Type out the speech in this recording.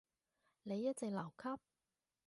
你一直留級？